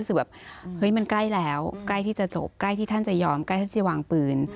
รู้สึกแบบเฮ้ยมันใกล้แล้วใกล้ที่จะจบใกล้ที่ท่านจะยอมใกล้ท่านจะวางปืน